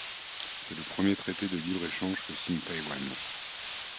C'est le premier traité de libre-échange que signe Taïwan.